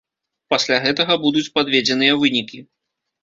Пасля гэтага будуць падведзеныя вынікі.